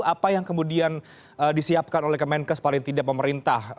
apa yang kemudian disiapkan oleh kemenkes paling tidak pemerintah